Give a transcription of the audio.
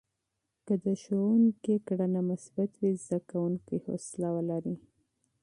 که د ښوونکي چلند مثبت وي، زده کوونکي حوصله لري.